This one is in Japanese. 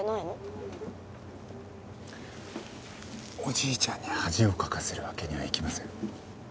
おじいちゃんに恥をかかせるわけにはいきません。